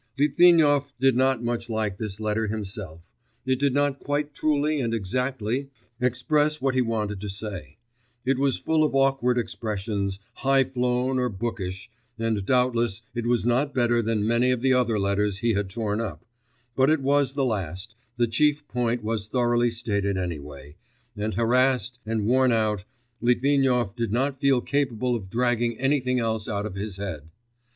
Litvinov did not much like this letter himself; it did not quite truly and exactly express what he wanted to say; it was full of awkward expressions, high flown or bookish, and doubtless it was not better than many of the other letters he had torn up; but it was the last, the chief point was thoroughly stated anyway, and harassed, and worn out, Litvinov did not feel capable of dragging anything else out of his head.